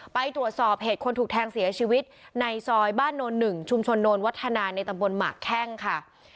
ไปตรวจสอบเหตุคนถูกแทงเสียชีวิตในซอยบ้านโนน๑ชุมชนโนนวัฒนาในตำบลหมากแข้งค่ะ